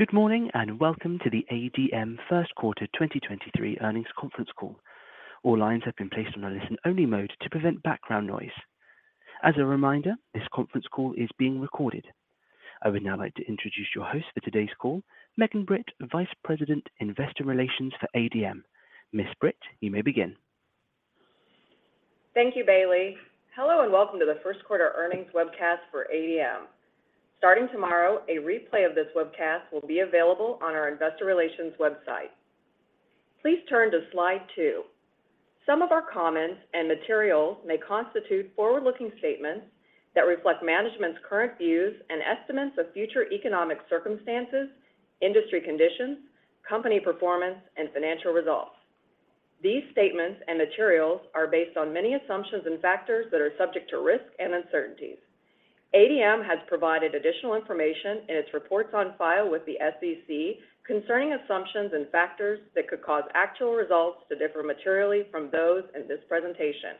Good morning, welcome to the ADM first quarter 2023 earnings conference call. All lines have been placed on a listen-only mode to prevent background noise. As a reminder, this conference call is being recorded. I would now like to introduce your host for today's call, Megan Britt, Vice President, Investor Relations for ADM. Ms. Britt, you may begin. Thank you, Bailey. Hello, welcome to the first quarter earnings webcast for ADM. Starting tomorrow, a replay of this webcast will be available on our investor relations website. Please turn to slide 2. Some of our comments and materials may constitute forward-looking statements that reflect management's current views and estimates of future economic circumstances, industry conditions, company performance, and financial results. These statements and materials are based on many assumptions and factors that are subject to risk and uncertainties. ADM has provided additional information in its reports on file with the SEC concerning assumptions and factors that could cause actual results to differ materially from those in this presentation.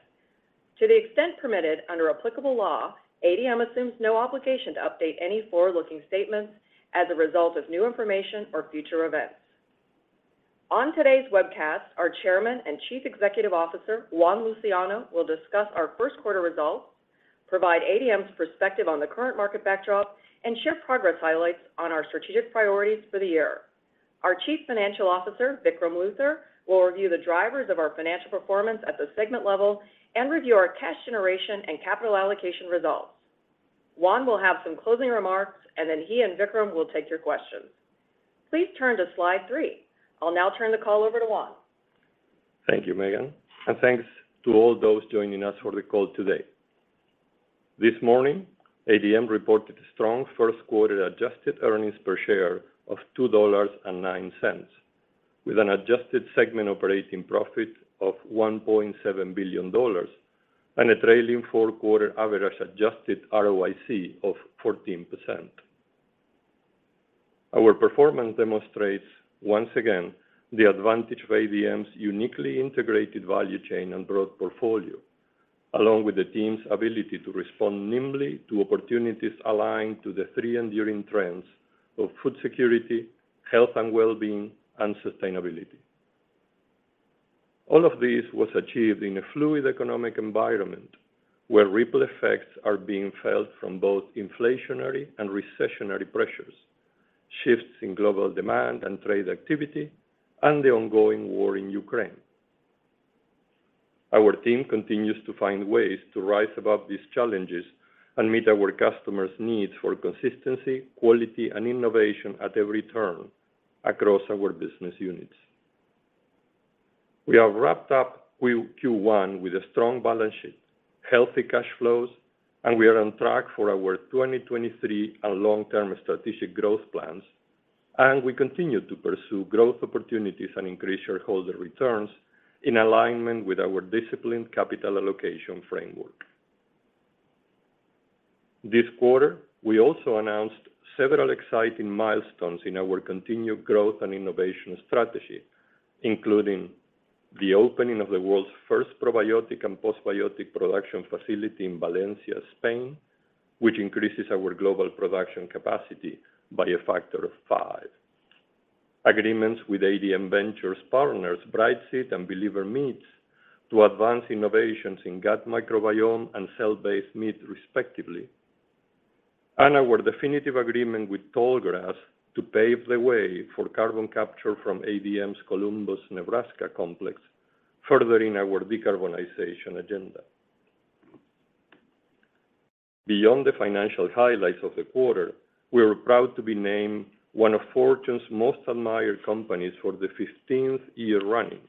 To the extent permitted under applicable law, ADM assumes no obligation to update any forward-looking statements as a result of new information or future events. On today's webcast, our Chairman and Chief Executive Officer, Juan Luciano, will discuss our first quarter results, provide ADM's perspective on the current market backdrop, and share progress highlights on our strategic priorities for the year. Our Chief Financial Officer, Vikram Luthar, will review the drivers of our financial performance at the segment level and review our cash generation and capital allocation results. Juan will have some closing remarks, and then he and Vikram will take your questions. Please turn to slide 3. I'll now turn the call over to Juan. Thank you, Megan, and thanks to all those joining us for the call today. This morning, ADM reported strong first quarter adjusted earnings per share of $2.09, with an adjusted segment operating profit of $1.7 billion and a trailing four-quarter average adjusted ROIC of 14%. Our performance demonstrates, once again, the advantage of ADM's uniquely integrated value chain and broad portfolio, along with the team's ability to respond nimbly to opportunities aligned to the three enduring trends of food security, health, and wellbeing, and sustainability. All of this was achieved in a fluid economic environment where ripple effects are being felt from both inflationary and recessionary pressures, shifts in global demand and trade activity, and the ongoing war in Ukraine. Our team continues to find ways to rise above these challenges and meet our customers' needs for consistency, quality, and innovation at every turn across our business units. We have wrapped up Q1 with a strong balance sheet, healthy cash flows, and we are on track for our 2023 and long-term strategic growth plans. We continue to pursue growth opportunities and increase shareholder returns in alignment with our disciplined capital allocation framework. This quarter, we also announced several exciting milestones in our continued growth and innovation strategy, including the opening of the world's first probiotic and postbiotic production facility in Valencia, Spain, which increases our global production capacity by a factor of five. Agreements with ADM Ventures partners, Brightseed and Believer Meats, to advance innovations in gut microbiome and cell-based meat, respectively. Our definitive agreement with Tallgrass to pave the way for carbon capture from ADM's Columbus, Nebraska complex, furthering our decarbonization agenda. Beyond the financial highlights of the quarter, we are proud to be named one of Fortune's most admired companies for the 15th year running,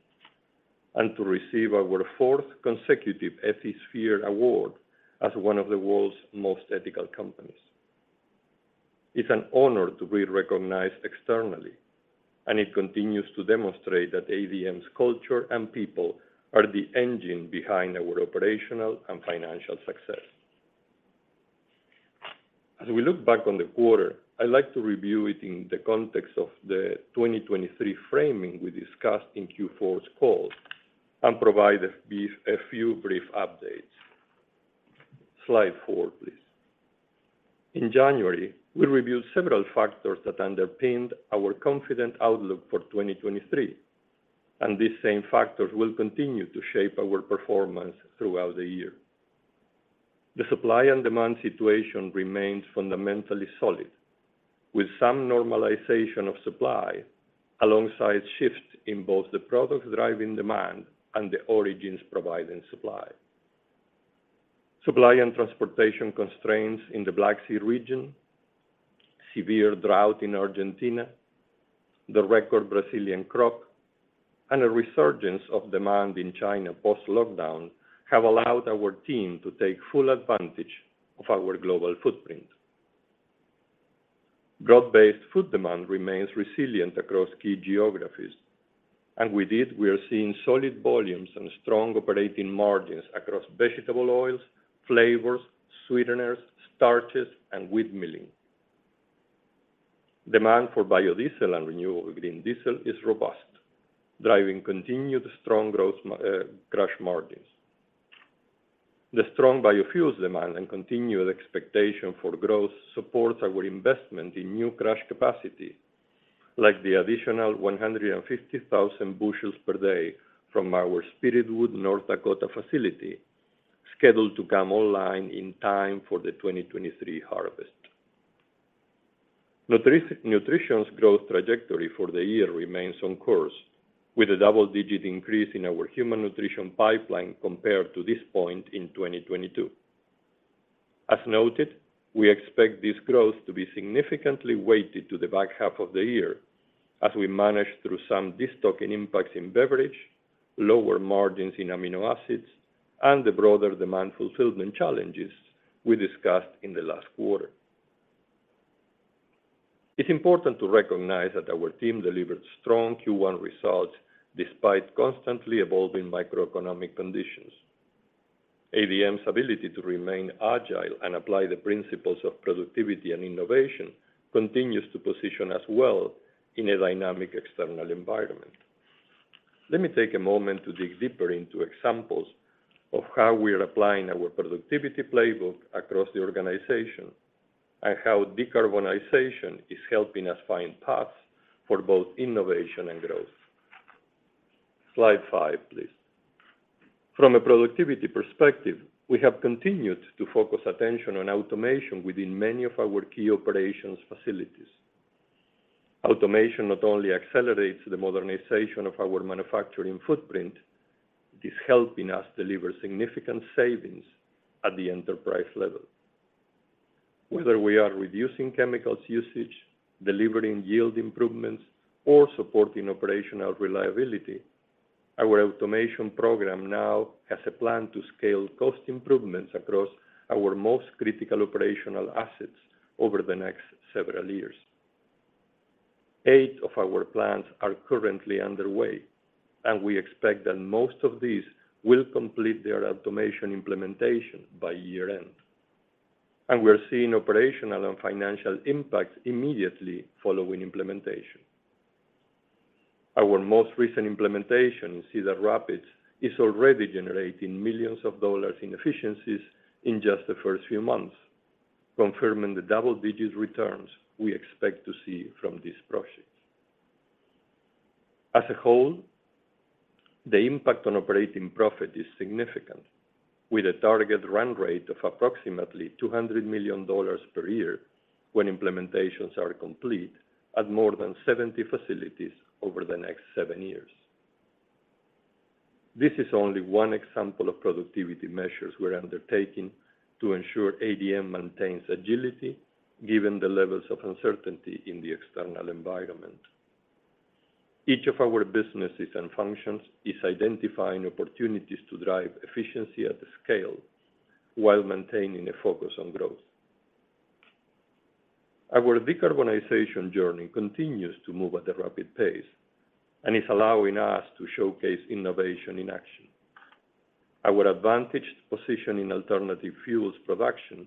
and to receive our 4th consecutive Ethisphere award as one of the world's most ethical companies. It's an honor to be recognized externally, and it continues to demonstrate that ADM's culture and people are the engine behind our operational and financial success. As we look back on the quarter, I like to review it in the context of the 2023 framing we discussed in Q4's call and provide a few brief updates. Slide 4, please. In January, we reviewed several factors that underpinned our confident outlook for 2023, and these same factors will continue to shape our performance throughout the year. The supply and demand situation remains fundamentally solid, with some normalization of supply alongside shifts in both the products driving demand and the origins providing supply. Supply and transportation constraints in the Black Sea region, severe drought in Argentina, the record Brazilian crop, and a resurgence of demand in China post-lockdown have allowed our team to take full advantage of our global footprint. Growth-based food demand remains resilient across key geographies, and with it, we are seeing solid volumes and strong operating margins across vegetable oils, flavors, sweeteners, starches, and wheat milling. Demand for biodiesel and renewable green diesel is robust, driving continued strong growth crush margins. The strong biofuels demand and continued expectation for growth supports our investment in new crush capacity, like the additional 150,000 bushels per day from our Spiritwood, North Dakota facility, scheduled to come online in time for the 2023 harvest. Nutrition's growth trajectory for the year remains on course, with a double-digit increase in our human nutrition pipeline compared to this point in 2022. As noted, we expect this growth to be significantly weighted to the back half of the year as we manage through some destocking impacts in beverage, lower margins in amino acids, and the broader demand fulfillment challenges we discussed in the last quarter. It's important to recognize that our team delivered strong Q1 results despite constantly evolving microeconomic conditions. ADM's ability to remain agile and apply the principles of productivity and innovation continues to position us well in a dynamic external environment. Let me take a moment to dig deeper into examples of how we are applying our productivity playbook across the organization, and how decarbonization is helping us find paths for both innovation and growth. Slide 5, please. From a productivity perspective, we have continued to focus attention on automation within many of our key operations facilities. Automation not only accelerates the modernization of our manufacturing footprint, it is helping us deliver significant savings at the enterprise level. Whether we are reducing chemicals usage, delivering yield improvements, or supporting operational reliability, our automation program now has a plan to scale cost improvements across our most critical operational assets over the next several years. 8 of our plans are currently underway. We expect that most of these will complete their automation implementation by year-end. We are seeing operational and financial impacts immediately following implementation. Our most recent implementation in Cedar Rapids is already generating millions of dollars in efficiencies in just the first few months, confirming the double-digit returns we expect to see from these projects. As a whole, the impact on operating profit is significant, with a target run rate of approximately $200 million per year when implementations are complete at more than 70 facilities over the next 7 years. This is only one example of productivity measures we're undertaking to ensure ADM maintains agility given the levels of uncertainty in the external environment. Each of our businesses and functions is identifying opportunities to drive efficiency at scale while maintaining a focus on growth. Our decarbonization journey continues to move at a rapid pace and is allowing us to showcase innovation in action. Our advantaged position in alternative fuels production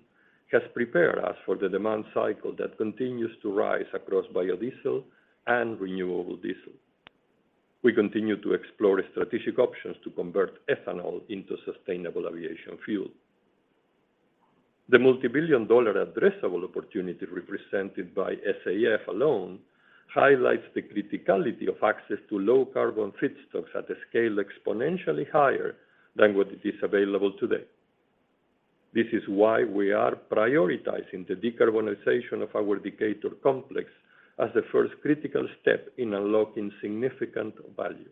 has prepared us for the demand cycle that continues to rise across biomass-based diesel and renewable diesel. We continue to explore strategic options to convert ethanol into sustainable aviation fuel. The multi-billion dollar addressable opportunity represented by SAF alone highlights the criticality of access to low carbon feedstocks at a scale exponentially higher than what is available today. This is why we are prioritizing the decarbonization of our Decatur complex as the first critical step in unlocking significant value.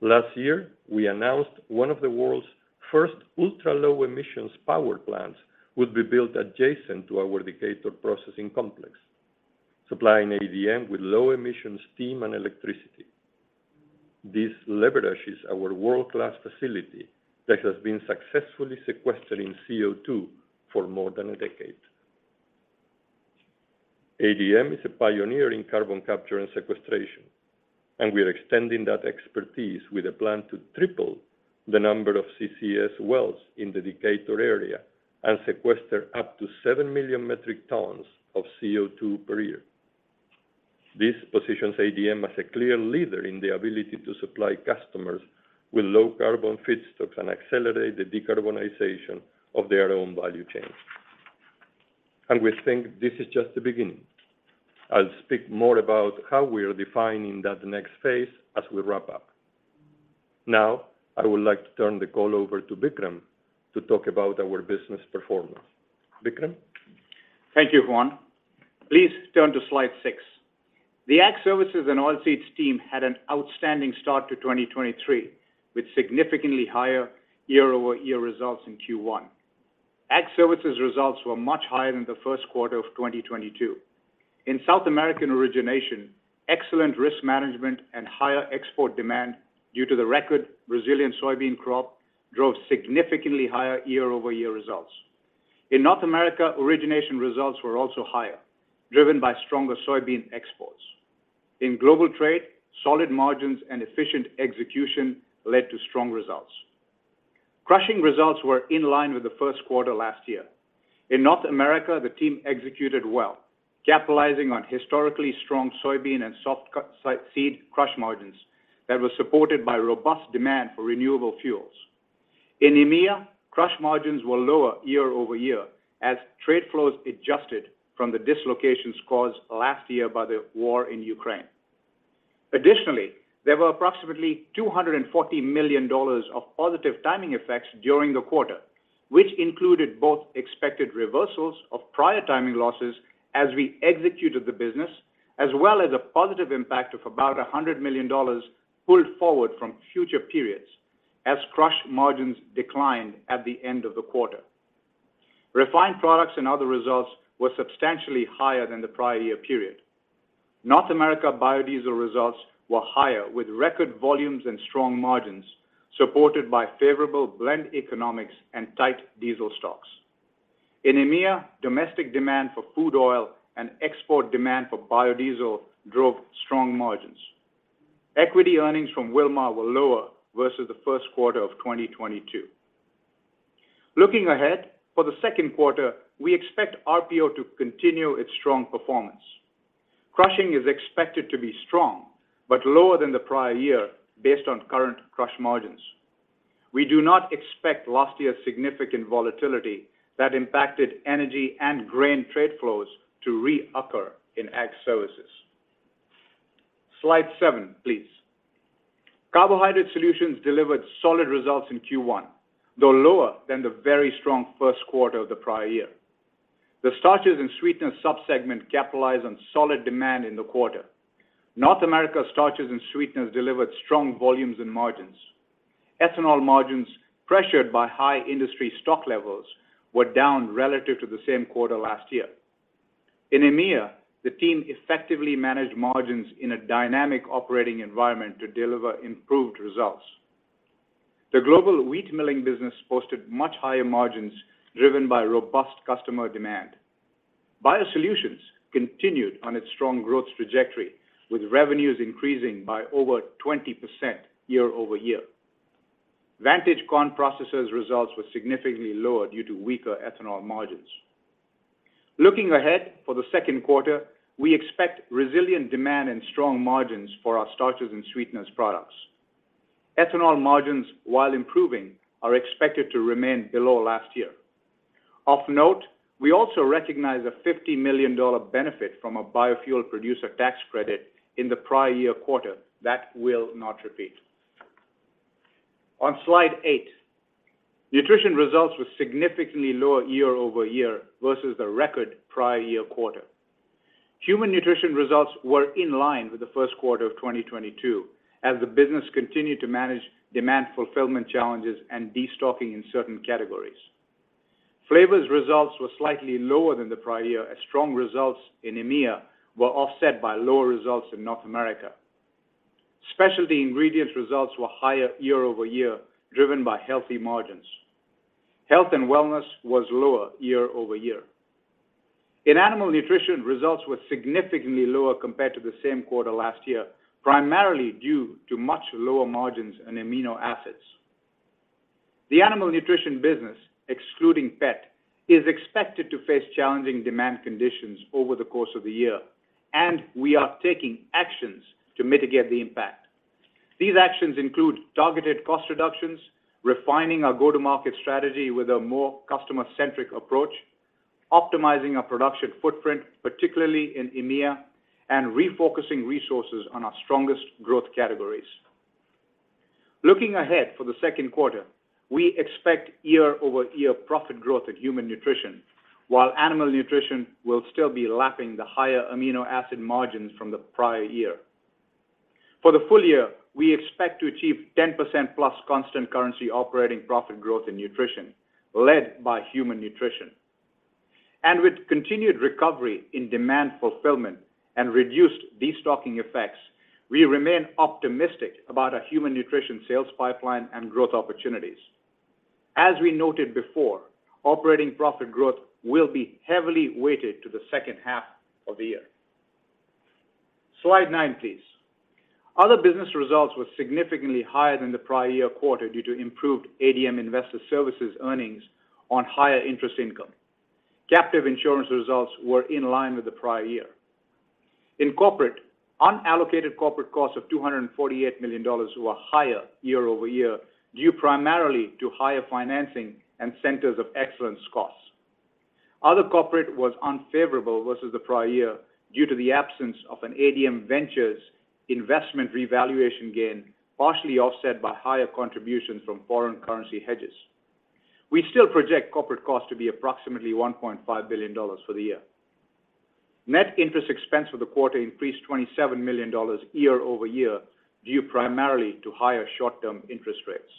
Last year, we announced one of the world's first ultra-low emissions power plants would be built adjacent to our Decatur processing complex, supplying ADM with low-emissions steam and electricity. This leverages our world-class facility that has been successfully sequestering CO2 for more than a decade. ADM is a pioneer in carbon capture and sequestration, and we are extending that expertise with a plan to triple the number of CCS wells in the Decatur area and sequester up to 7 million metric tons of CO2 per year. This positions ADM as a clear leader in the ability to supply customers with low carbon feedstocks and accelerate the decarbonization of their own value chains. We think this is just the beginning. I'll speak more about how we are defining that next phase as we wrap up. Now, I would like to turn the call over to Vikram to talk about our business performance. Vikram? Thank you, Juan. Please turn to slide 6. The Ag Services and Oilseeds team had an outstanding start to 2023, with significantly higher year-over-year results in Q1. Ag Services results were much higher than the first quarter of 2022. In South American origination, excellent risk management and higher export demand due to the record Brazilian soybean crop drove significantly higher year-over-year results. In North America, origination results were also higher, driven by stronger soybean exports. In global trade, solid margins and efficient execution led to strong results. Crushing results were in line with the first quarter last year. In North America, the team executed well, capitalizing on historically strong soybean and softseed crush margins that were supported by robust demand for renewable fuels. In EMEA, crush margins were lower year-over-year as trade flows adjusted from the dislocations caused last year by the war in Ukraine. There were approximately $240 million of positive timing effects during the quarter, which included both expected reversals of prior timing losses as we executed the business, as well as a positive impact of about $100 million pulled forward from future periods as crush margins declined at the end of the quarter. Refined products and other results were substantially higher than the prior year period. North America biodiesel results were higher with record volumes and strong margins, supported by favorable blend economics and tight diesel stocks. In EMEA, domestic demand for food oil and export demand for biodiesel drove strong margins. Equity earnings from Wilmar were lower versus the first quarter of 2022. Looking ahead, for the second quarter, we expect RPO to continue its strong performance. Crushing is expected to be strong, lower than the prior year based on current crush margins. We do not expect last year's significant volatility that impacted energy and grain trade flows to reoccur in Ag Services. Slide 7, please. Carbohydrate Solutions delivered solid results in Q1, though lower than the very strong first quarter of the prior year. The starches and sweeteners sub-segment capitalized on solid demand in the quarter. North America starches and sweeteners delivered strong volumes and margins. Ethanol margins, pressured by high industry stock levels, were down relative to the same quarter last year. In EMEA, the team effectively managed margins in a dynamic operating environment to deliver improved results. The global wheat milling business posted much higher margins driven by robust customer demand. BioSolutions continued on its strong growth trajectory, with revenues increasing by over 20% year-over-year. Vantage Corn Processors results were significantly lower due to weaker ethanol margins. Looking ahead, for the second quarter, we expect resilient demand and strong margins for our starches and sweeteners products. Ethanol margins, while improving, are expected to remain below last year. Of note, we also recognize a $50 million benefit from a Biofuel Producer Tax Credit in the prior year quarter. That will not repeat. On slide 8, nutrition results were significantly lower year-over-year versus the record prior year quarter. Human nutrition results were in line with the first quarter of 2022 as the business continued to manage demand fulfillment challenges and destocking in certain categories. Flavors results were slightly lower than the prior year as strong results in EMEA were offset by lower results in North America. Specialty ingredients results were higher year-over-year, driven by healthy margins. Health and wellness was lower year-over-year. In animal nutrition, results were significantly lower compared to the same quarter last year, primarily due to much lower margins in amino acids. The animal nutrition business, excluding pet, is expected to face challenging demand conditions over the course of the year, and we are taking actions to mitigate the impact. These actions include targeted cost reductions, refining our go-to-market strategy with a more customer-centric approach, optimizing our production footprint, particularly in EMEA, and refocusing resources on our strongest growth categories. Looking ahead for the second quarter, we expect year-over-year profit growth at human nutrition, while animal nutrition will still be lapping the higher amino acid margins from the prior year. For the full year, we expect to achieve 10% plus constant currency operating profit growth in nutrition led by human nutrition. With continued recovery in demand fulfillment and reduced destocking effects, we remain optimistic about our human nutrition sales pipeline and growth opportunities. As we noted before, operating profit growth will be heavily weighted to the second half of the year. Slide 9, please. Other business results were significantly higher than the prior year quarter due to improved ADM Investor Services earnings on higher interest income. Captive insurance results were in line with the prior year. In corporate, unallocated corporate costs of $248 million were higher year-over-year due primarily to higher financing and centers of excellence costs. Other corporate was unfavorable versus the prior year due to the absence of an ADM Ventures investment revaluation gain, partially offset by higher contributions from foreign currency hedges. We still project corporate costs to be approximately $1.5 billion for the year. Net interest expense for the quarter increased $27 million year-over-year due primarily to higher short-term interest rates.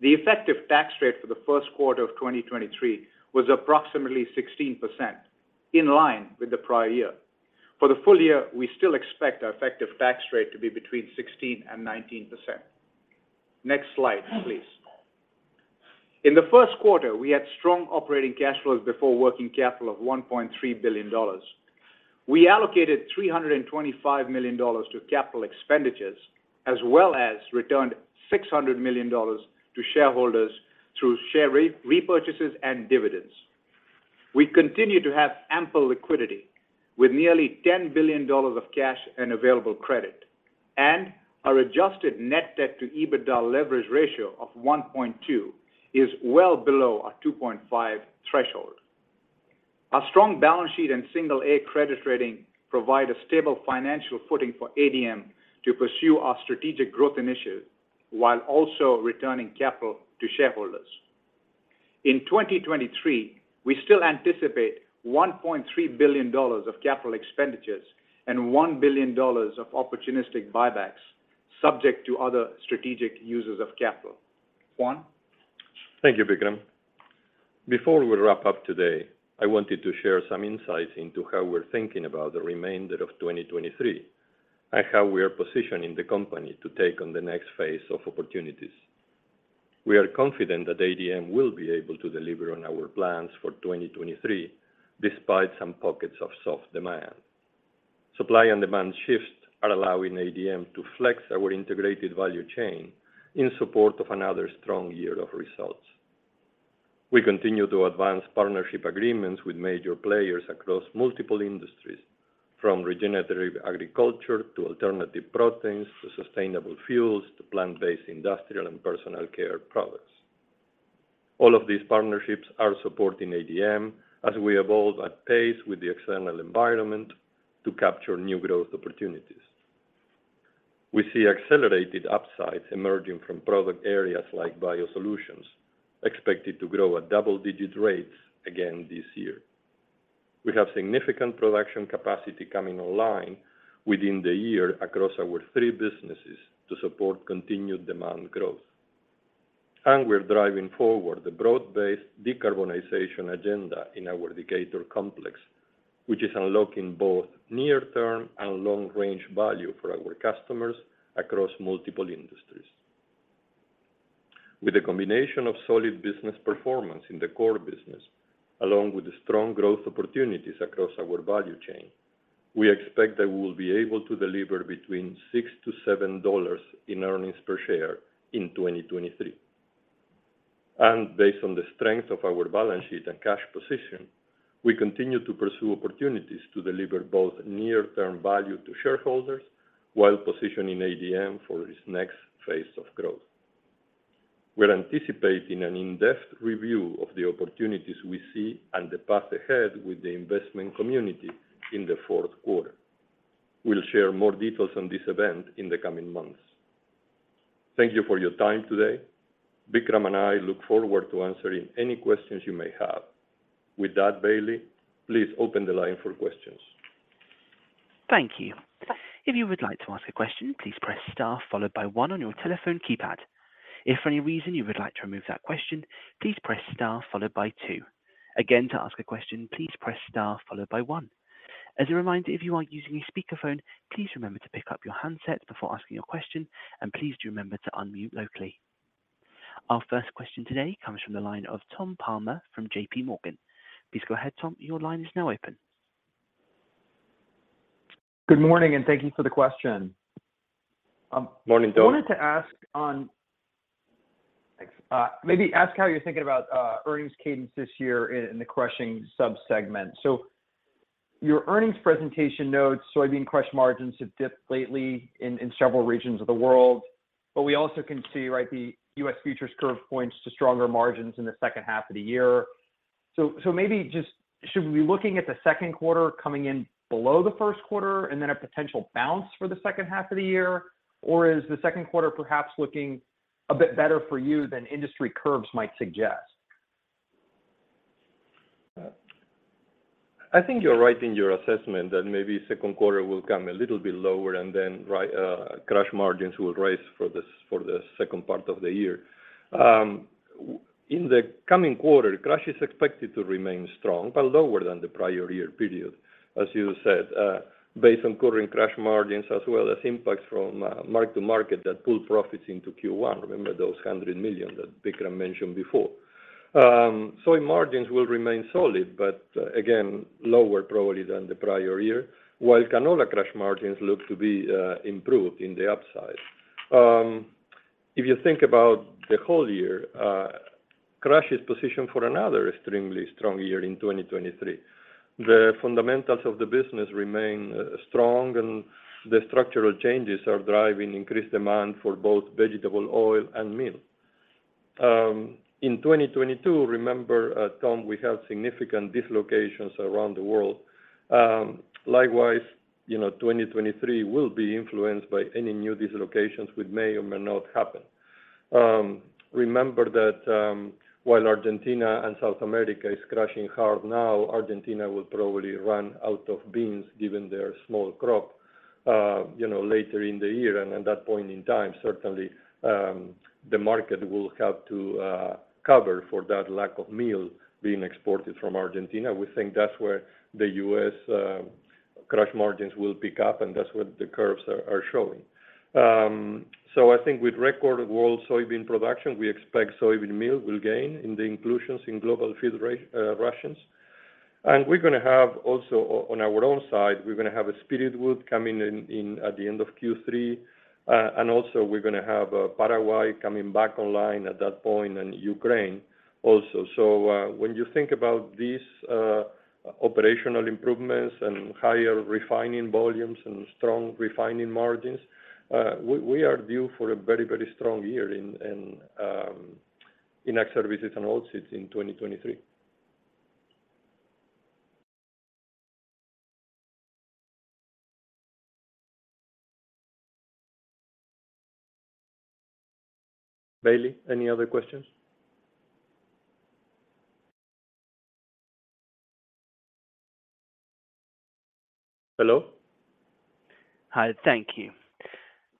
The effective tax rate for the first quarter of 2023 was approximately 16%, in line with the prior year. For the full year, we still expect our effective tax rate to be between 16% and 19%. Next slide, please. In the first quarter, we had strong operating cash flows before working capital of $1.3 billion. We allocated $325 million to capital expenditures as well as returned $600 million to shareholders through share repurchases and dividends. We continue to have ample liquidity with nearly $10 billion of cash and available credit. Our adjusted net debt to EBITDA leverage ratio of 1.2 is well below our 2.5 threshold. Our strong balance sheet and single A credit rating provide a stable financial footing for ADM to pursue our strategic growth initiatives while also returning capital to shareholders. In 2023, we still anticipate $1.3 billion of capital expenditures and $1 billion of opportunistic buybacks, subject to other strategic uses of capital. Juan? Thank you, Vikram. Before we wrap up today, I wanted to share some insights into how we're thinking about the remainder of 2023, how we are positioning the company to take on the next phase of opportunities. We are confident that ADM will be able to deliver on our plans for 2023, despite some pockets of soft demand. Supply and demand shifts are allowing ADM to flex our integrated value chain in support of another strong year of results. We continue to advance partnership agreements with major players across multiple industries, from regenerative agriculture to alternative proteins, to sustainable fuels, to plant-based industrial and personal care products. All of these partnerships are supporting ADM as we evolve at pace with the external environment to capture new growth opportunities. We see accelerated upsides emerging from product areas like BioSolutions, expected to grow at double-digit rates again this year. We have significant production capacity coming online within the year across our three businesses to support continued demand growth. We're driving forward the broad-based decarbonization agenda in our Decatur complex, which is unlocking both near-term and long-range value for our customers across multiple industries. With a combination of solid business performance in the core business, along with the strong growth opportunities across our value chain, we expect that we will be able to deliver between $6-$7 in earnings per share in 2023. Based on the strength of our balance sheet and cash position, we continue to pursue opportunities to deliver both near-term value to shareholders while positioning ADM for its next phase of growth. We're anticipating an in-depth review of the opportunities we see and the path ahead with the investment community in the fourth quarter. We'll share more details on this event in the coming months. Thank you for your time today. Vikram and I look forward to answering any questions you may have. With that, Bailey, please open the line for questions. Thank you. If you would like to ask a question, please press star followed by one on your telephone keypad. If for any reason you would like to remove that question, please press star followed by two. Again, to ask a question, please press star followed by one. As a reminder, if you are using a speakerphone, please remember to pick up your handset before asking your question, and please do remember to unmute locally. Our first question today comes from the line of Thomas Palmer from J.P.Morgan. Please go ahead, Tom. Your line is now open. Good morning, and thank you for the question. Morning, Tom. Thanks. Maybe ask how you're thinking about earnings cadence this year in the crushing sub-segment. Your earnings presentation notes soybean crush margins have dipped lately in several regions of the world. We also can see, right, the U.S. futures curve points to stronger margins in the second half of the year. Maybe just should we be looking at the second quarter coming in below the first quarter and then a potential bounce for the second half of the year? Or is the second quarter perhaps looking a bit better for you than industry curves might suggest? I think you're right in your assessment that maybe second quarter will come a little bit lower and then crush margins will rise for the second part of the year. In the coming quarter, crush is expected to remain strong, but lower than the prior year period. As you said, based on current crush margins as well as impacts from mark-to-market that pulled profits into Q1. Remember those $100 million that Vikram mentioned before. Soy margins will remain solid, but again, lower probably than the prior year, while canola crush margins look to be improved in the upside. If you think about the whole year, crush is positioned for another extremely strong year in 2023. The fundamentals of the business remain strong. The structural changes are driving increased demand for both vegetable oil and meal. In 2022, remember, Tom, we had significant dislocations around the world. Likewise, you know, 2023 will be influenced by any new dislocations which may or may not happen. Remember that while Argentina and South America is crushing hard now, Argentina will probably run out of beans given their small crop, you know, later in the year. At that point in time, certainly, the market will have to cover for that lack of meal being exported from Argentina. We think that's where the U.S. crush margins will pick up, and that's what the curves are showing. I think with record world soybean production, we expect soybean meal will gain in the inclusions in global feed rations. We're gonna have also on our own side, we're gonna have a Spirit Wood coming in, at the end of Q3, and also we're gonna have Paraguay coming back online at that point and Ukraine also. When you think about these operational improvements and higher refining volumes and strong refining margins, we are due for a very, very strong year in Ag Services and Oilseeds in 2023. Bailey, any other questions? Hello? Hi, thank you.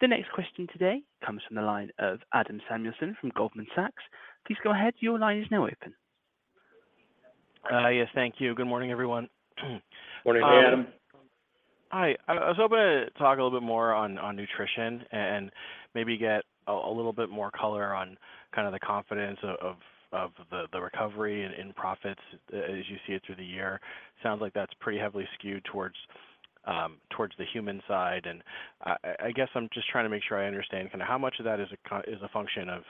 The next question today comes from the line of Adam Samuelson from Goldman Sachs. Please go ahead. Your line is now open. Yes, thank you. Good morning, everyone. Morning, Adam. Hi. I was hoping to talk a little bit more on nutrition and maybe get a little bit more color on kind of the confidence of the recovery in profits as you see it through the year. Sounds like that's pretty heavily skewed towards the human side. I guess I'm just trying to make sure I understand kind of how much of that is a function of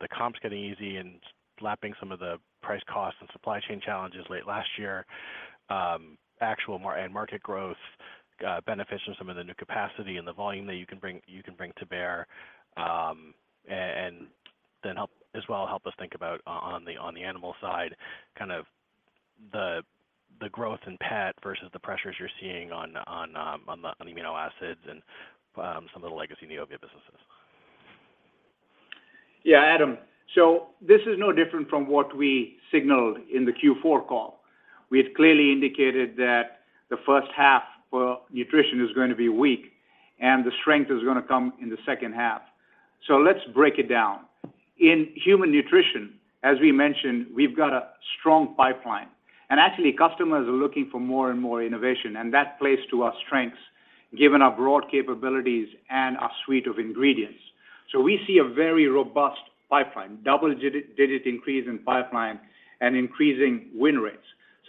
the comps getting easy and lapping some of the price costs and supply chain challenges late last year, actual market growth, benefits from some of the new capacity and the volume that you can bring to bear. Help as well, help us think about on the animal side, kind of the growth in pet versus the pressures you're seeing on amino acids and some of the legacy Neovia businesses. Yeah, Adam. This is no different from what we signaled in the Q4 call. We had clearly indicated that the first half for nutrition is going to be weak, and the strength is gonna come in the second half. Let's break it down. In human nutrition, as we mentioned, we've got a strong pipeline. Actually, customers are looking for more and more innovation, and that plays to our strengths, given our broad capabilities and our suite of ingredients. We see a very robust pipeline, double digit increase in pipeline and increasing win rates.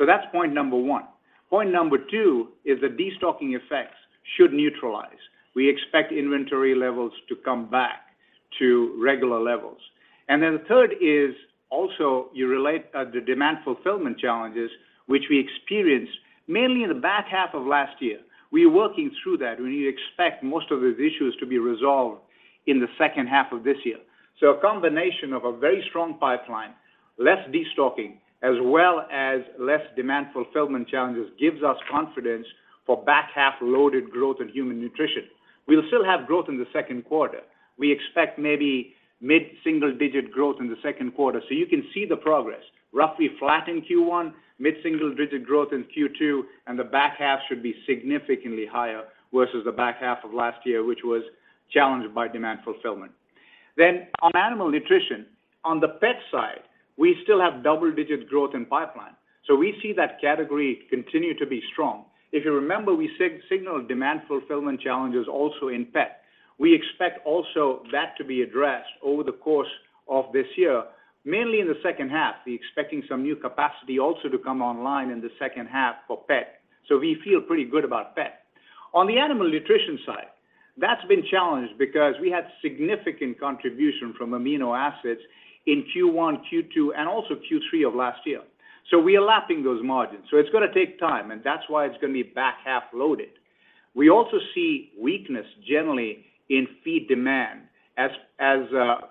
That's point number one. Point number two is the destocking effects should neutralize. We expect inventory levels to come back to regular levels. The third is also you relate the demand fulfillment challenges, which we experienced mainly in the back half of last year. We are working through that. We expect most of these issues to be resolved in the second half of this year. A combination of a very strong pipeline, less destocking, as well as less demand fulfillment challenges gives us confidence for back-half-loaded growth in human nutrition. We'll still have growth in the second quarter. We expect maybe mid-single-digit growth in the second quarter. You can see the progress. Roughly flat in Q1, mid-single-digit growth in Q2, and the back half should be significantly higher versus the back half of last year, which was challenged by demand fulfillment. On animal nutrition, on the pet side, we still have double-digit growth in pipeline. We see that category continue to be strong. If you remember, we signaled demand fulfillment challenges also in pet. We expect also that to be addressed over the course of this year, mainly in the second half. We're expecting some new capacity also to come online in the second half for pet. We feel pretty good about pet. On the animal nutrition side, that's been challenged because we had significant contribution from amino acids in Q1, Q2, and Q3 of last year. We are lapping those margins. It's gonna take time, and that's why it's gonna be back-half loaded. We also see weakness generally in feed demand as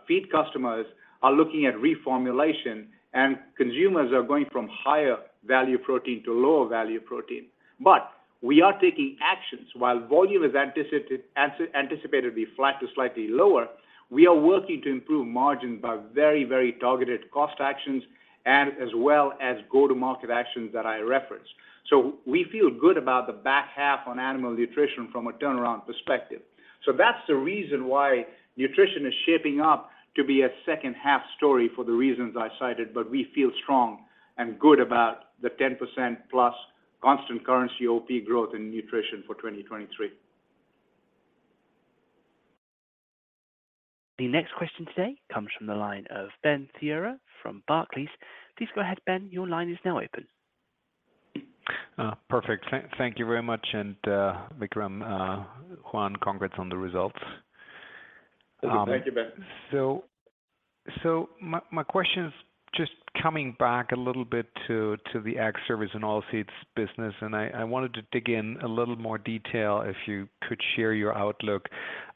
feed customers are looking at reformulation and consumers are going from higher value protein to lower value protein. We are taking actions. While volume is anticipated to be flat to slightly lower, we are working to improve margin by very targeted cost actions and as well as go-to-market actions that I referenced. We feel good about the back half on animal nutrition from a turnaround perspective. That's the reason why nutrition is shaping up to be a second half story for the reasons I cited, but we feel strong and good about the 10% plus constant currency OP growth in nutrition for 2023. The next question today comes from the line of Benjamin Theurer from Barclays. Please go ahead, Ben. Your line is now open. perfect. Thank you very much. Vikram, Juan, congrats on the results. Thank you, Ben. My question is just coming back a little bit to the Ag Services and Oilseeds business, and I wanted to dig in a little more detail if you could share your outlook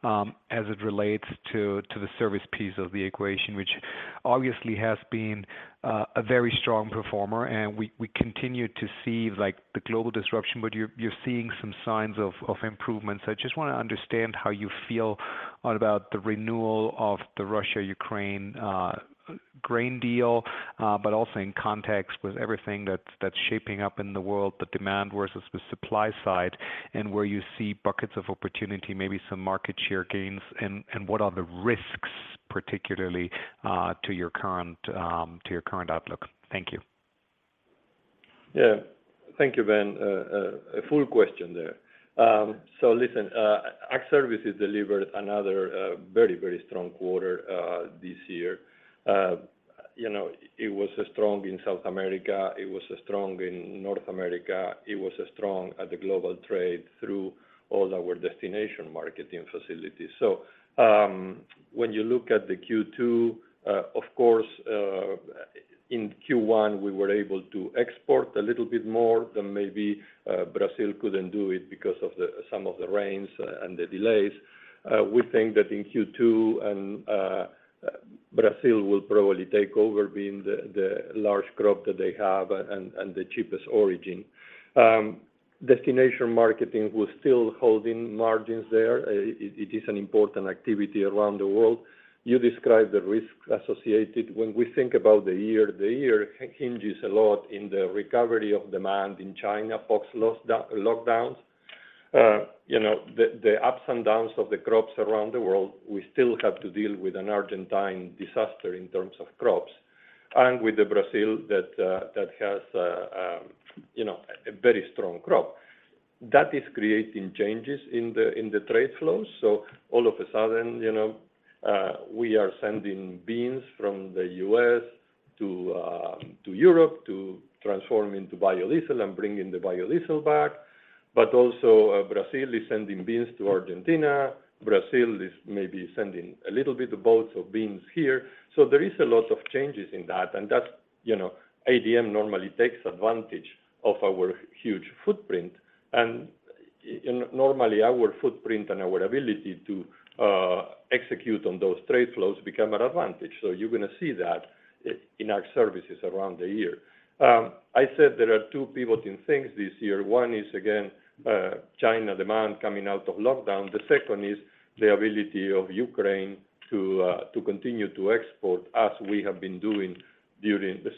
as it relates to the service piece of the equation, which obviously has been a very strong performer. We continue to see, like, the global disruption, but you're seeing some signs of improvements. I just wanna understand how you feel about the renewal of the Russia-Ukraine grain deal, but also in context with everything that's shaping up in the world, the demand versus the supply side, and where you see buckets of opportunity, maybe some market share gains, and what are the risks particularly to your current to your current outlook. Thank you. Yeah. Thank you, Ben. A full question there. Listen, Ag Services delivered another, very strong quarter this year. You know, it was strong in South America, it was strong in North America, it was strong at the global trade through all our destination marketing facilities. When you look at the Q2, of course, in Q1 we were able to export a little bit more than maybe Brazil couldn't do it because of some of the rains and the delays. We think that in Q2 and Brazil will probably take over being the large crop that they have and the cheapest origin. Destination marketing, we're still holding margins there. It is an important activity around the world. You described the risks associated. When we think about the year, the year hinges a lot in the recovery of demand in China post the lockdowns. You know, the ups and downs of the crops around the world, we still have to deal with an Argentine disaster in terms of crops and with the Brazil that has, you know, a very strong crop. That is creating changes in the trade flows. All of a sudden, you know, we are sending beans from the U.S. to Europe to transform into biodiesel and bring in the biodiesel back. Also, Brazil is sending beans to Argentina. Brazil is maybe sending a little bit of boats of beans here. There is a lot of changes in that, and that, you know, ADM normally takes advantage of our huge footprint, and normally our footprint and our ability to execute on those trade flows become an advantage. You're gonna see that in our services around the year. I said there are two pivoting things this year. One is, again, China demand coming out of lockdown. The second is the ability of Ukraine to continue to export as we have been doing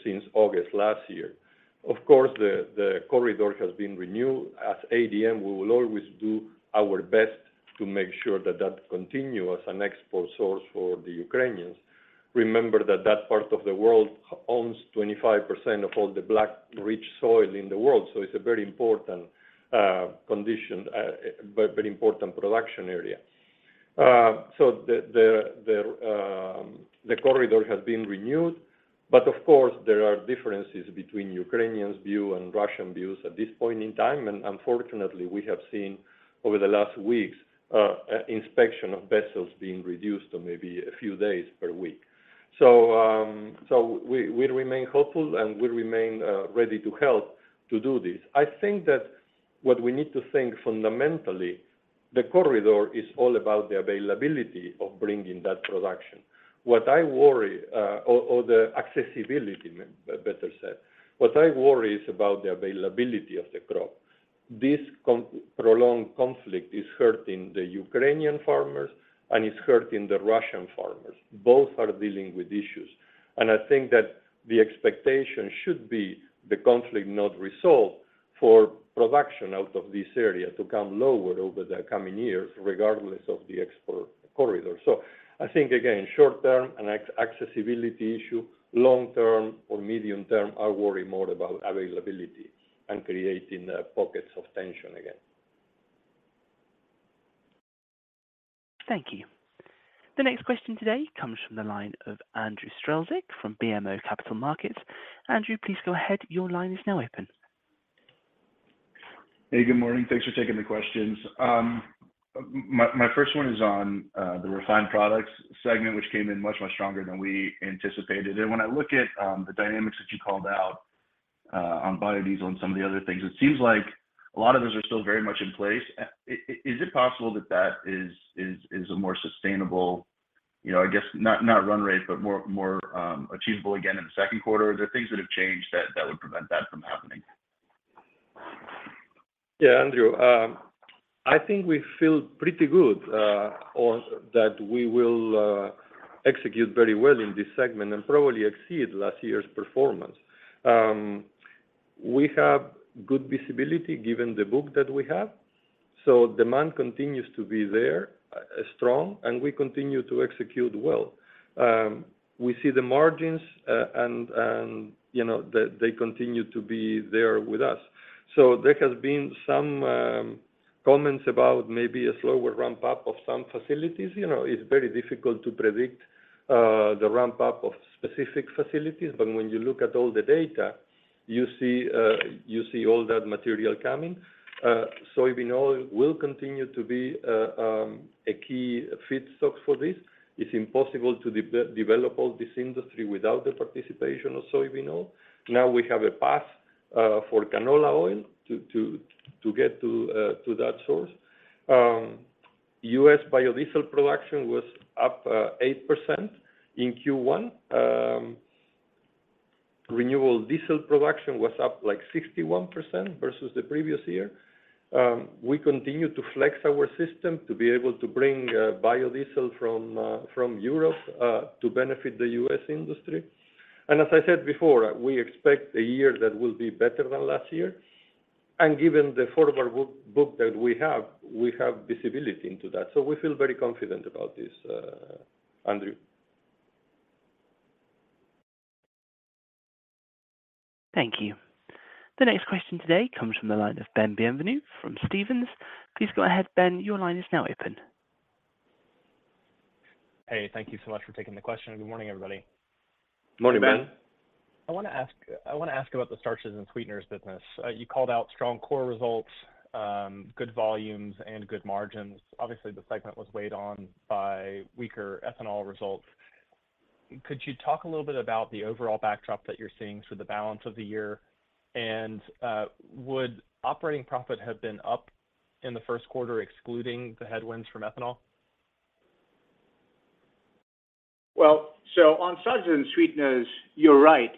since August last year. The corridor has been renewed. At ADM, we will always do our best to make sure that that continue as an export source for the Ukrainians. Remember that that part of the world owns 25% of all the black, rich soil in the world, so it's a very important condition, a very, very important production area. The corridor has been renewed. Of course, there are differences between Ukrainians' view and Russian views at this point in time. Unfortunately, we have seen over the last weeks, inspection of vessels being reduced to maybe a few days per week. We remain hopeful, and we remain ready to help to do this. I think that what we need to think fundamentally, the corridor is all about the availability of bringing that production. What I worry, or the accessibility, better said. What I worry is about the availability of the crop. This prolonged conflict is hurting the Ukrainian farmers, and it's hurting the Russian farmers. Both are dealing with issues. I think that the expectation should be the conflict not resolved for production out of this area to come lower over the coming years, regardless of the export corridor. I think again, short term, an accessibility issue. Long term or medium term, I worry more about availability and creating pockets of tension again. Thank you. The next question today comes from the line of Andrew Strelzik from BMO Capital Markets. Andrew, please go ahead. Your line is now open. Good morning. Thanks for taking the questions. My first one is on the refined products segment, which came in much stronger than we anticipated. When I look at the dynamics that you called out on biodiesel and some of the other things, it seems like a lot of those are still very much in place. Is it possible that that is a more sustainable, you know, I guess not run rate, but more achievable again in the second quarter? Are there things that have changed that would prevent that from happening? Yeah, Andrew, I think we feel pretty good that we will execute very well in this segment and probably exceed last year's performance. We have good visibility given the book that we have, so demand continues to be there, strong, and we continue to execute well. We see the margins, and, you know, they continue to be there with us. There has been some comments about maybe a slower ramp up of some facilities. You know, it's very difficult to predict the ramp up of specific facilities, but when you look at all the data, you see all that material coming. Soybean oil will continue to be a key feedstock for this. It's impossible to develop all this industry without the participation of soybean oil. Now we have a path for canola oil to get to that source. U.S. biodiesel production was up 8% in Q1. Renewable diesel production was up, like, 61% versus the previous year. We continue to flex our system to be able to bring biodiesel from Europe to benefit the U.S. industry. As I said before, we expect a year that will be better than last year. Given the forward book that we have, we have visibility into that. We feel very confident about this, Andrew. Thank you. The next question today comes from the line of Ben Bienvenu from Stephens. Please go ahead, Ben. Your line is now open. Hey, thank you so much for taking the question. Good morning, everybody. Morning, Ben. I wanna ask about the starches and sweeteners business. You called out strong core results, good volumes and good margins. Obviously, the segment was weighed on by weaker ethanol results. Could you talk a little bit about the overall backdrop that you're seeing for the balance of the year? Would operating profit have been up in the first quarter excluding the headwinds from ethanol? On starches and sweeteners, you're right.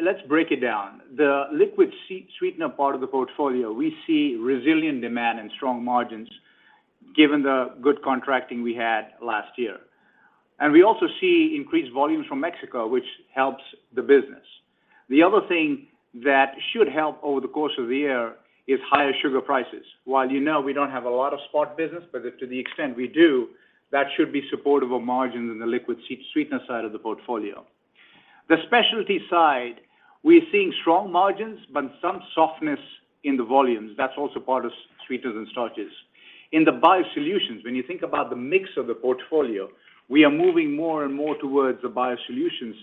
Let's break it down. The liquid sweetener part of the portfolio, we see resilient demand and strong margins given the good contracting we had last year. We also see increased volumes from Mexico, which helps the business. The other thing that should help over the course of the year is higher sugar prices. You know we don't have a lot of spot business, but to the extent we do, that should be supportive of margins in the liquid sweetener side of the portfolio. The specialty side, we're seeing strong margins, but some softness in the volumes. That's also part of sweeteners and starches. In the BioSolutions, when you think about the mix of the portfolio, we are moving more and more towards the BioSolutions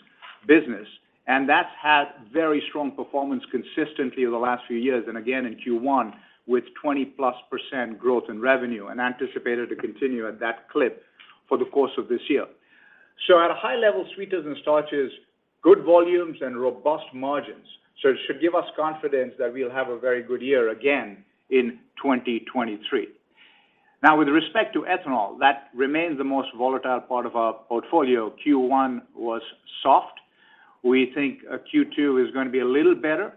business. That's had very strong performance consistently over the last few years. Again in Q1 with 20%+ growth in revenue and anticipated to continue at that clip for the course of this year. At a high level, sweeteners and starches, good volumes and robust margins. It should give us confidence that we'll have a very good year again in 2023. With respect to ethanol, that remains the most volatile part of our portfolio. Q1 was soft. We think Q2 is gonna be a little better,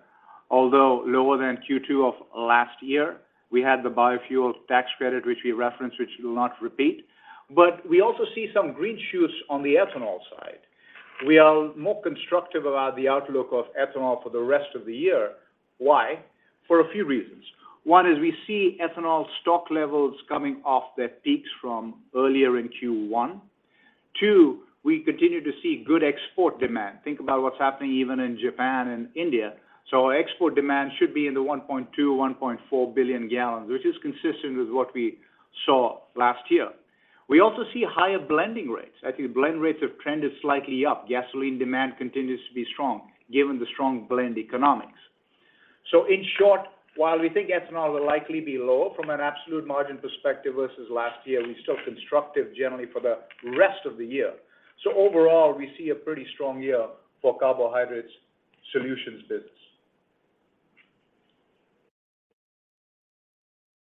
although lower than Q2 of last year. We had the Biofuel Producer Credit, which we referenced, which will not repeat. We also see some green shoots on the ethanol side. We are more constructive about the outlook of ethanol for the rest of the year. Why? For a few reasons. One is we see ethanol stock levels coming off their peaks from earlier in Q1. Two, we continue to see good export demand. Think about what's happening even in Japan and India. Our export demand should be in the 1.2-1.4 billion gallons, which is consistent with what we saw last year. We also see higher blending rates. I think blend rates have trended slightly up. Gasoline demand continues to be strong given the strong blend economics. In short, while we think ethanol will likely be low from an absolute margin perspective versus last year, we're still constructive generally for the rest of the year. Overall, we see a pretty strong year for Carbohydrate Solutions business.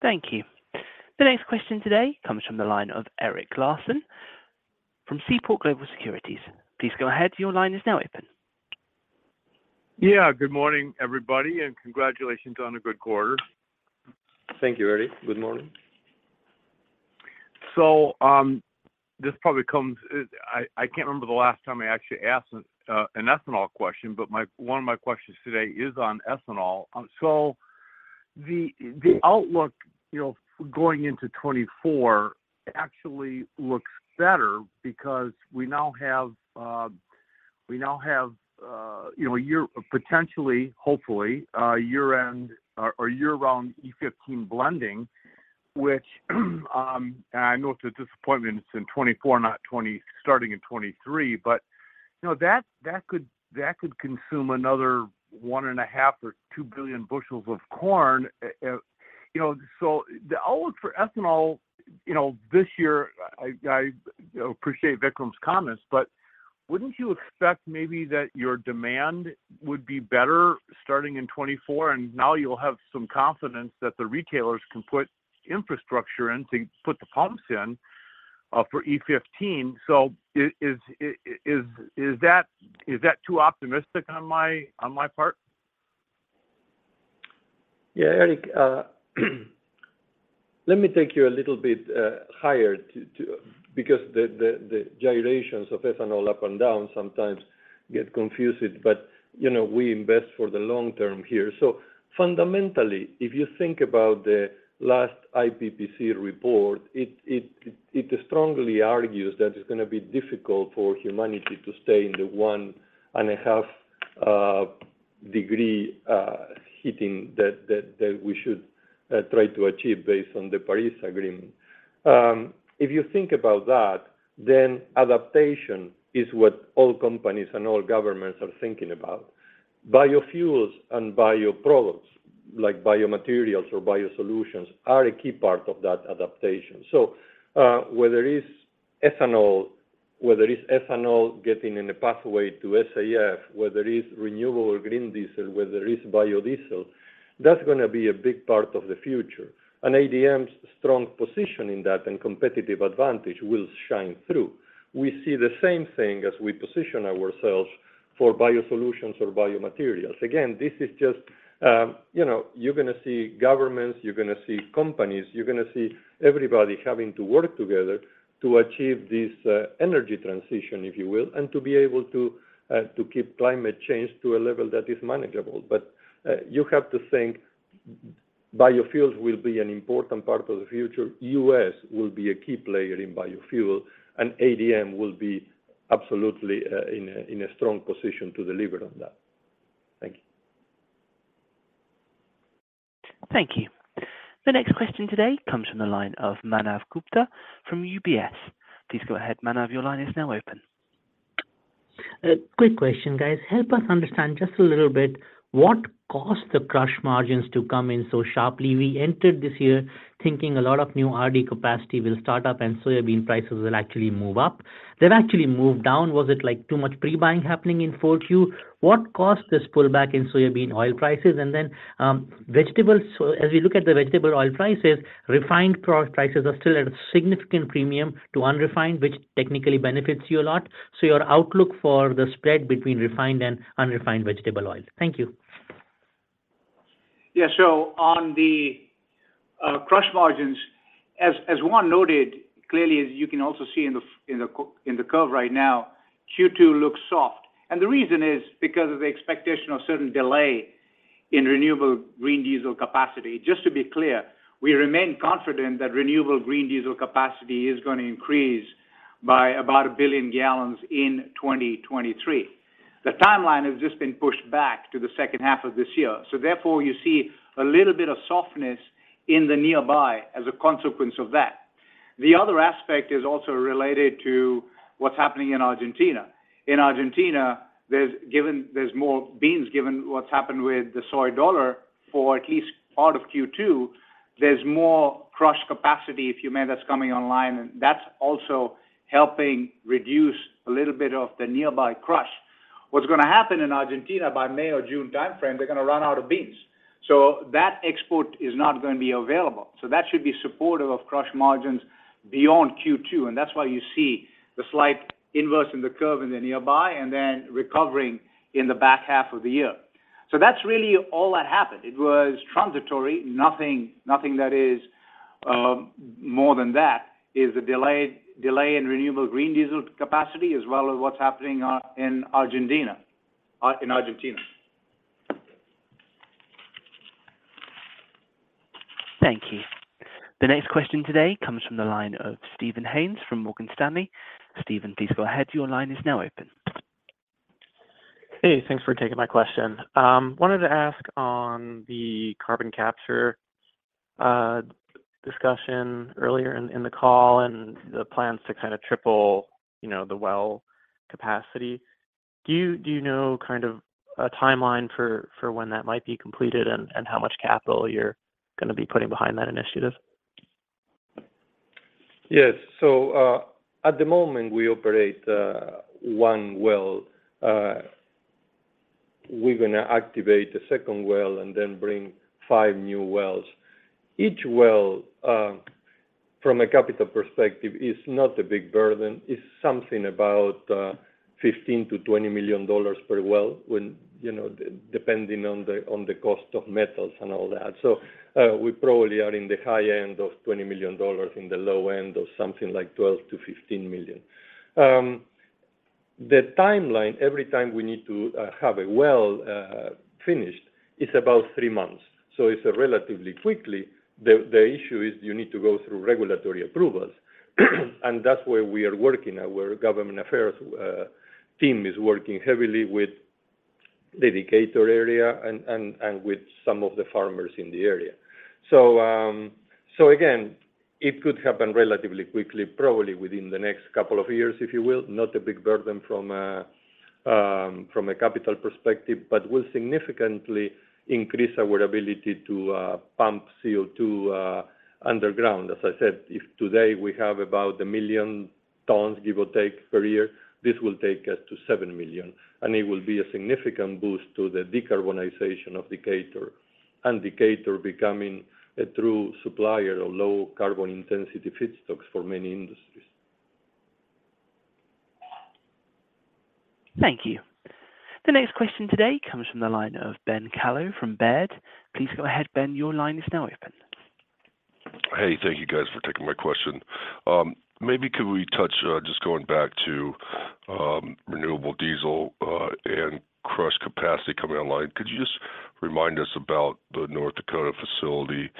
Thank you. The next question today comes from the line of Eric Larson from Seaport Global Securities. Please go ahead. Your line is now open. Yeah, good morning, everybody, congratulations on a good quarter. Thank you, Eric. Good morning. I can't remember the last time I actually asked an ethanol question, but one of my questions today is on ethanol. The outlook, you know, going into 2024 actually looks better because we now have, you know, potentially, hopefully, a year-end or year-round E15 blending, which I know it's a disappointment it's in 2024, not starting in 2023. You know, that could consume another 1.5 or 2 billion bushels of corn. You know, the outlook for ethanol, you know, this year, I, you know, appreciate Vikram's comments, wouldn't you expect maybe that your demand would be better starting in 2024? Now you'll have some confidence that the retailers can put infrastructure in to put the pumps in for E15. Is that too optimistic on my part? Yeah, Eric, let me take you a little bit higher. Because the gyrations of ethanol up and down sometimes get confused, but, you know, we invest for the long term here. Fundamentally, if you think about the last IPCC report, it strongly argues that it's gonna be difficult for humanity to stay in the 1 and a half degree heating that we should try to achieve based on the Paris Agreement. If you think about that, then adaptation is what all companies and all governments are thinking about. Biofuels and bioproducts, like biomaterials or BioSolutions, are a key part of that adaptation. Whether it's ethanol, whether it's ethanol getting in a pathway to SAF, whether it's renewable or green diesel, whether it's biodiesel, that's gonna be a big part of the future. ADM's strong position in that and competitive advantage will shine through. We see the same thing as we position ourselves for BioSolutions or biomaterials. Again, this is just, you know, you're gonna see governments, you're gonna see companies, you're gonna see everybody having to work together to achieve this energy transition, if you will, and to be able to keep climate change to a level that is manageable. You have to think biofuels will be an important part of the future. U.S. will be a key player in biofuel, and ADM will be absolutely in a strong position to deliver on that. Thank you. Thank you. The next question today comes from the line of Manav Gupta from UBS. Please go ahead, Manav, your line is now open. A quick question, guys. Help us understand just a little bit what caused the crush margins to come in so sharply. We entered this year thinking a lot of new RD capacity will start up and soybean prices will actually move up. They've actually moved down. Was it, like, too much pre-buying happening in Q4? What caused this pullback in soybean oil prices? Vegetables. As we look at the vegetable oil prices, refined prices are still at a significant premium to unrefined, which technically benefits you a lot. Your outlook for the spread between refined and unrefined vegetable oil. Thank you. On the crush margins, as Juan noted, clearly, as you can also see in the curve right now, Q2 looks soft. The reason is because of the expectation of certain delay in renewable green diesel capacity. Just to be clear, we remain confident that renewable green diesel capacity is gonna increase by about 1 billion gallons in 2023. The timeline has just been pushed back to the second half of this year. Therefore, you see a little bit of softness in the nearby as a consequence of that. The other aspect is also related to what's happening in Argentina. In Argentina, there's more beans, given what's happened with the soy dollar for at least part of Q2, there's more crush capacity, if you may, that's coming online, that's also helping reduce a little bit of the nearby crush. What's going to happen in Argentina by May or June timeframe, they're going to run out of beans. That export is not going to be available. That should be supportive of crush margins beyond Q2, that's why you see the slight inverse in the curve in the nearby then recovering in the back half of the year. That's really all that happened. It was transitory. Nothing, nothing that is more than that is the delayed delay in renewable green diesel capacity, as well as what's happening in Argentina, in Argentina. Thank you. The next question today comes from the line of Steve Byrne from Morgan Stanley. Steven, please go ahead. Your line is now open. Hey, thanks for taking my question. Wanted to ask on the carbon capture discussion earlier in the call and the plans to kinda triple, you know, the well capacity. Do you know kind of a timeline for when that might be completed and how much capital you're gonna be putting behind that initiative? Yes. At the moment, we operate 1 well. We're gonna activate a second well and then bring 5 new wells. Each well, from a capital perspective, is not a big burden. It's something about $15 million-$20 million per well when, you know, depending on the cost of metals and all that. We probably are in the high end of $20 million, in the low end of something like $12 million-$15 million. The timeline, every time we need to have a well finished, it's about 3 months. It's a relatively quickly. The issue is you need to go through regulatory approvals, and that's where we are working. Our government affairs team is working heavily with the Decatur area and with some of the farmers in the area. Again, it could happen relatively quickly, probably within the next couple of years, if you will. Not a big burden from a capital perspective, but will significantly increase our ability to pump CO2 underground. As I said, if today we have about 1 million tons, give or take, per year, this will take us to 7 million, and it will be a significant boost to the decarbonization of Decatur and Decatur becoming a true supplier of low carbon intensity feedstocks for many industries. Thank you. The next question today comes from the line of Ben Kallo from Baird. Please go ahead, Ben. Your line is now open. Hey, thank you guys for taking my question. Maybe could we touch, just going back to renewable diesel and crush capacity coming online. Could you just remind us about the North Dakota facility?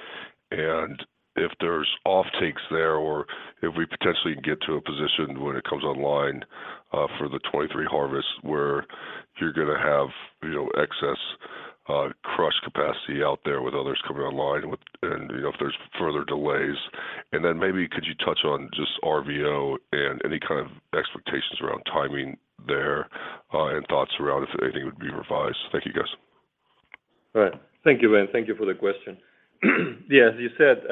If there's off takes there or if we potentially get to a position when it comes online for the 2023 harvest where you're gonna have, you know, excess crush capacity out there with others coming online with, and, you know, if there's further delays. Maybe could you touch on just RVO and any kind of expectations around timing there, and thoughts around if anything would be revised. Thank you, guys. All right. Thank you, Ben. Thank you for the question. Yeah, as you said,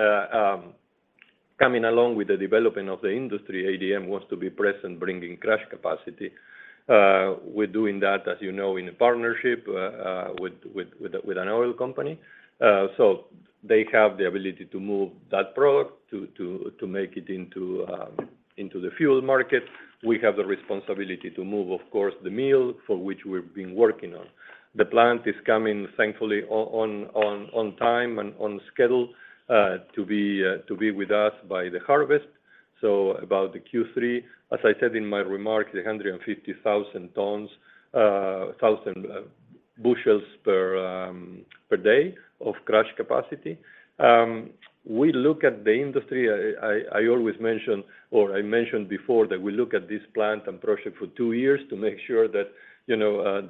coming along with the development of the industry, ADM wants to be present bringing crush capacity. We're doing that, as you know, in a partnership with an oil company. They have the ability to move that product to make it into the fuel market. We have the responsibility to move, of course, the meal for which we've been working on. The plant is coming, thankfully, on time and on schedule, to be with us by the harvest. About the Q3, as I said in my remarks, the 150,000 tons, 1,000 bushels per day of crush capacity. We look at the industry. I always mention or I mentioned before that we look at this plant and project for 2 years to make sure that, you know,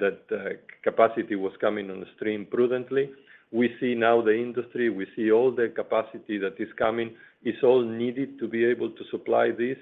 capacity was coming on stream prudently. We see now the industry, we see all the capacity that is coming. It's all needed to be able to supply this.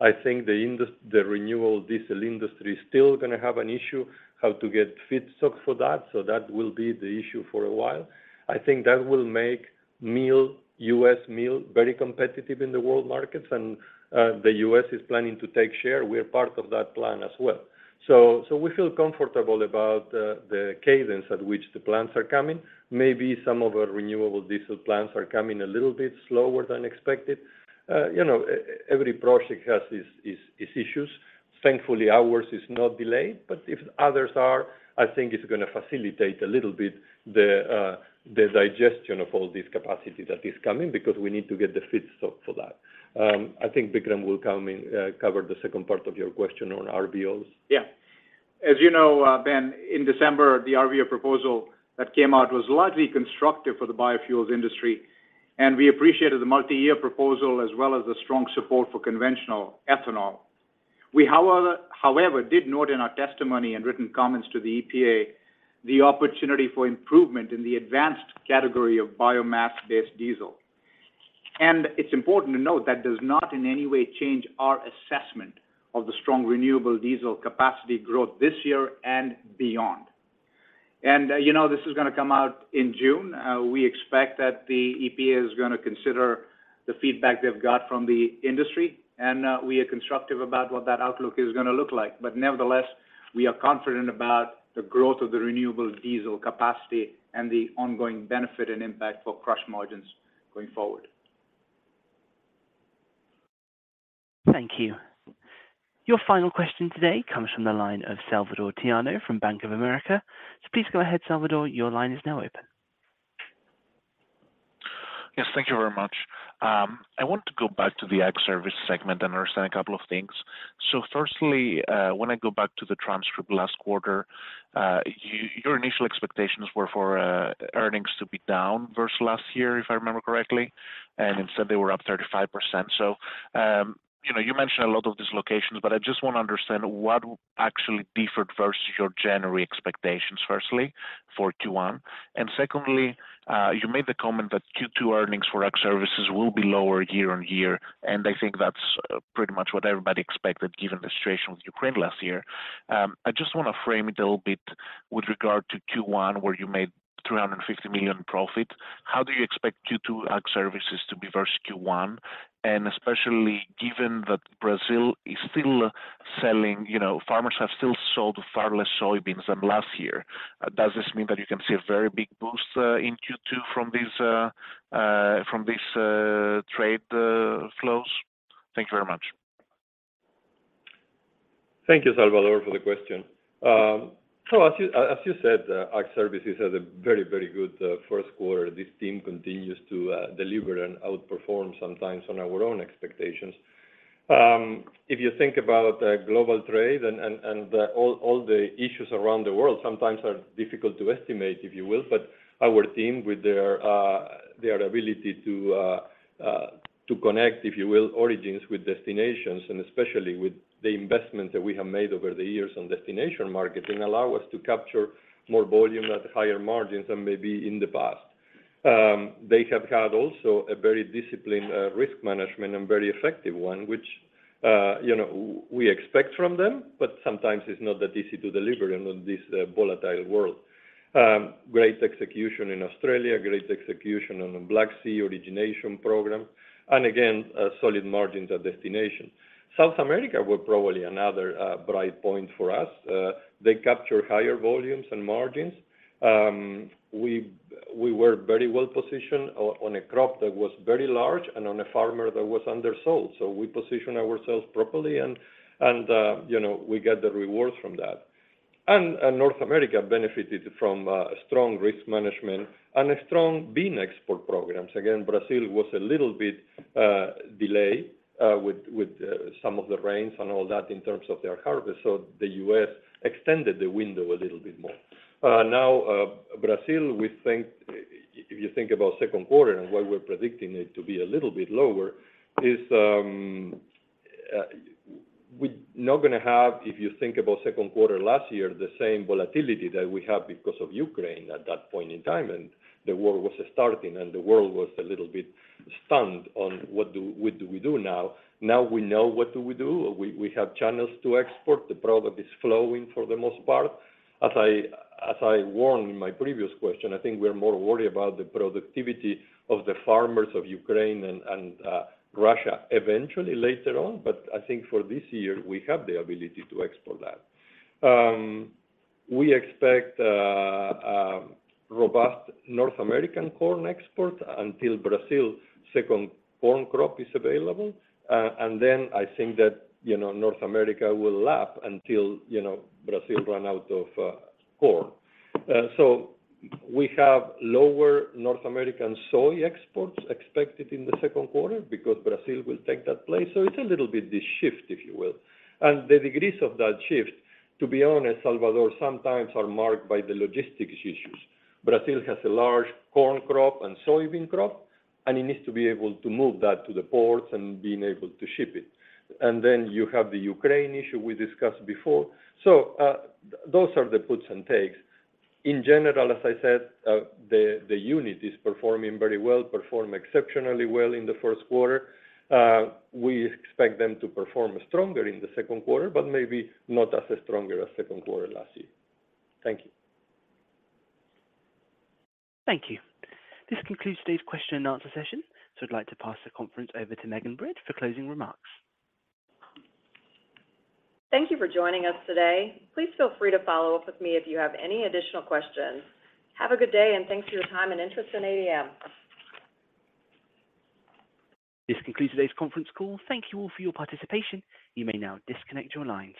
I think the renewable diesel industry is still going to have an issue how to get feedstock for that, so that will be the issue for a while. I think that will make meal, U.S. meal, very competitive in the world markets, and the U.S. is planning to take share. We are part of that plan as well. We feel comfortable about the cadence at which the plants are coming. Maybe some of our renewable diesel plants are coming a little bit slower than expected. you know, every project has its issues. Thankfully, ours is not delayed. If others are, I think it's going to facilitate a little bit the digestion of all this capacity that is coming because we need to get the feedstock for that. I think Vikram will come and cover the second part of your question on RVOs. Yeah. As you know, Ben, in December, the RVO proposal that came out was largely constructive for the biofuels industry, and we appreciated the multi-year proposal as well as the strong support for conventional ethanol. We however, did note in our testimony and written comments to the EPA the opportunity for improvement in the advanced category of biomass-based diesel. It's important to note that does not in any way change our assessment of the strong renewable diesel capacity growth this year and beyond. You know this is gonna come out in June. We expect that the EPA is gonna consider the feedback they've got from the industry, and we are constructive about what that outlook is gonna look like. Nevertheless, we are confident about the growth of the renewable diesel capacity and the ongoing benefit and impact for crush margins going forward. Thank you. Your final question today comes from the line of Salvatore Tiano from Bank of America. Please go ahead, Salvator, your line is now open. Yes. Thank you very much. I want to go back to the Ag Services segment and understand a couple of things. Firstly, when I go back to the transcript last quarter, your initial expectations were for earnings to be down versus last year, if I remember correctly, and instead they were up 35%. You know, you mentioned a lot of dislocations, but I just want to understand what actually differed versus your January expectations, firstly for Q1. Secondly, you made the comment that Q2 earnings for Ag Services will be lower year-on-year, and I think that's pretty much what everybody expected given the situation with Ukraine last year. I just want to frame it a little bit with regard to Q1, where you made $350 million profit. How do you expect Q2 Ag Services to be versus Q1? Especially given that Brazil is still selling, you know, farmers have still sold far less soybeans than last year. Does this mean that you can see a very big boost in Q2 from these trade flows? Thank you very much. Thank you, Salvator, for the question. As you said, Ag Services had a very good first quarter. This team continues to deliver and outperform sometimes on our own expectations. If you think about global trade and all the issues around the world sometimes are difficult to estimate, if you will. Our team with their ability to connect, if you will, origins with destinations, and especially with the investments that we have made over the years on destination marketing allow us to capture more volume at higher margins than maybe in the past. They have had also a very disciplined risk management and very effective one, which, you know, we expect from them, sometimes it's not that easy to deliver in this volatile world. Great execution in Australia, great execution on the Black Sea origination program. Again, solid margins at destination. South America were probably another bright point for us. They capture higher volumes and margins. We were very well-positioned on a crop that was very large and on a farmer that was undersold. We positioned ourselves properly and, you know, we get the rewards from that. North America benefited from strong risk management and a strong bean export programs. Again, Brazil was a little bit delayed with some of the rains and all that in terms of their harvest, so the U.S. extended the window a little bit more. Now, Brazil, we think, if you think about second quarter and why we're predicting it to be a little bit lower, is we're not gonna have, if you think about second quarter last year, the same volatility that we have because of Ukraine at that point in time. The war was starting, and the world was a little bit stunned on what do we do now. Now we know what do we do. We have channels to export. The product is flowing for the most part. As I warned in my previous question, I think we're more worried about the productivity of the farmers of Ukraine and Russia eventually later on. I think for this year, we have the ability to export that. We expect robust North American corn export until Brazil's second corn crop is available. I think that, you know, North America will lap until, you know, Brazil run out of corn. We have lower North American soy exports expected in the second quarter because Brazil will take that place. It's a little bit this shift, if you will. The degrees of that shift, to be honest, Salvator Tiano, sometimes are marked by the logistics issues. Brazil has a large corn crop and soybean crop, and it needs to be able to move that to the ports and being able to ship it. You have the Ukraine issue we discussed before. Those are the puts and takes. In general, as I said, the unit is performing very well, performed exceptionally well in the first quarter. We expect them to perform stronger in the second quarter, but maybe not as stronger as second quarter last year. Thank you. Thank you. This concludes today's question and answer session. I'd like to pass the conference over to Megan Britt for closing remarks. Thank you for joining us today. Please feel free to follow up with me if you have any additional questions. Have a good day, and thanks for your time and interest in ADM. This concludes today's conference call. Thank you all for your participation. You may now disconnect your lines.